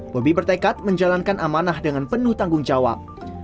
bobi bertekad menjalankan amanah dengan penuh tanggung jawab